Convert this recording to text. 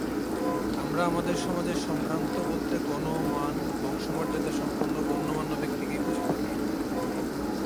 আমরা আমাদের সমাজে সম্ভ্রান্ত বলতে ধন, মান, বংশমর্যাদাসম্পন্ন গণ্যমান্য ব্যক্তিকেই বুঝে থাকি।